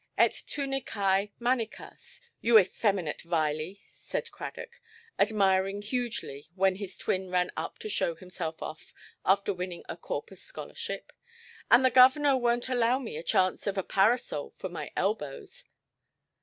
"Et tunicæ manicas—you effeminate Viley"! said Cradock, admiring hugely, when his twin ran up to show himself off, after winning a Corpus scholarship; "and the governor wonʼt allow me a chance of a parasol for my elbows".